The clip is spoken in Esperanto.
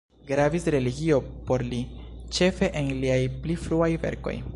Gravis religio por li, ĉefe en liaj pli fruaj verkoj.